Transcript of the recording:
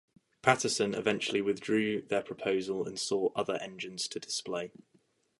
Paterson eventually withdrew their proposal and sought other engines to display.